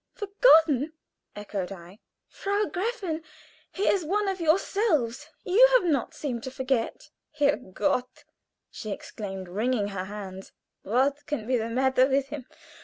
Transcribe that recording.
"Forgotten!" echoed I. "Frau Gräfin, he is one of yourselves. You do not seem to forget." "Herrgott!" she exclaimed, wringing her hands. "What can be the matter with him?